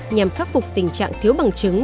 nhằm khắc phục tình trạng thiếu bằng chứng